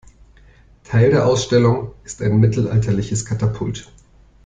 Teil der Ausstellung ist ein mittelalterliches Katapult.